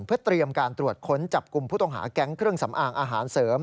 เพื่อเตรียมการตรวจค้นจับกลุ่มผู้ต้องหาแก๊งเครื่องสำอางอาหารเสริม